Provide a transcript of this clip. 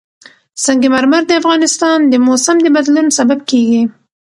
سنگ مرمر د افغانستان د موسم د بدلون سبب کېږي.